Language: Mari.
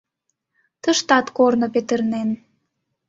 Тыштат корно петырнен.